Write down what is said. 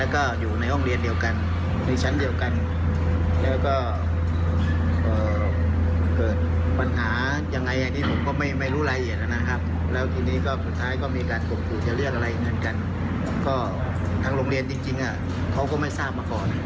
ก็ลงกันหนึ่งในกลุ่มของเขาเองครับ